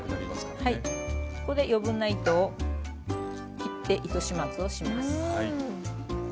ここで余分な糸を切って糸始末をします。